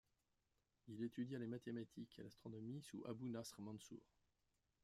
Il étudia les mathématiques et l'astronomie sous Abu Nasr Mansur.